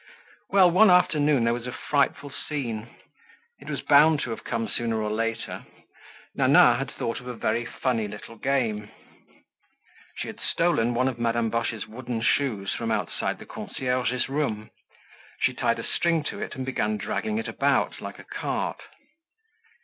Well, one afternoon there was a frightful scene. It was bound to have come sooner or later. Nana had thought of a very funny little game. She had stolen one of Madame Boche's wooden shoes from outside the concierge's room. She tied a string to it and began dragging it about like a cart.